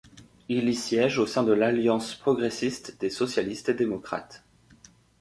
Il y siège au sein de l'Alliance progressiste des socialistes et démocrates.